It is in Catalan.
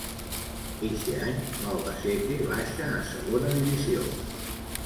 Eixe any l'Albacete baixa a Segona Divisió.